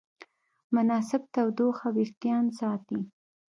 مناسب تودوخه وېښتيان ساتي.